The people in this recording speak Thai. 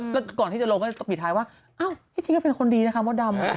ทักซี่ทักนี่ว่าอย่าผมไปส่งรถก่อนครับ